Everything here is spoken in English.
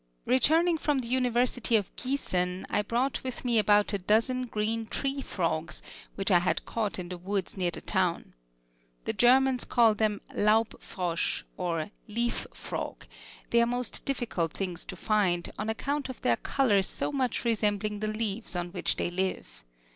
Returning from the University of Giessen, I brought with me about a dozen green tree frogs, which I had caught in the woods near the town. The Germans call them laub frosch, or leaf frog; they are most difficult things to find, on account of their color so much resembling the leaves on which they live.